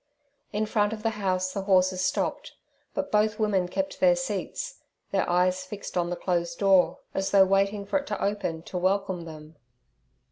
In front of the house the horses stopped, but both women kept their seats, their eyes fixed on the closed door, as though waiting for it to open to welcome them.